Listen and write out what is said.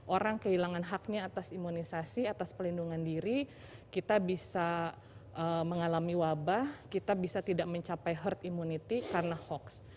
orang kehilangan haknya atas imunisasi atas pelindungan diri kita bisa mengalami wabah kita bisa tidak mencapai herd immunity karena hoax